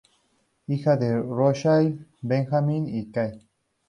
Hija de Rosalind y Benjamin Kahn.